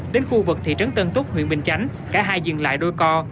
đến khu vực thị trấn tân túc huyện bình chánh cả hai dừng lại đôi co